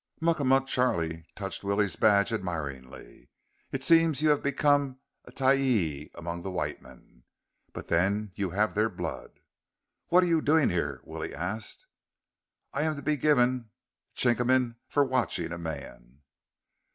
Muckamuck Charlie touched Willie's badge admiringly. "It seems you have become a tyee among the white men. But then you have their blood." "What are you doing here?" Willie asked. "I am to be given chikamin for watching a man...."